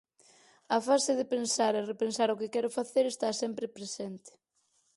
A fase de pensar e repensar o que quero facer está sempre presente.